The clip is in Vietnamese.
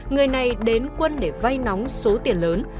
người này đến quân để vay nóng số tiền lớn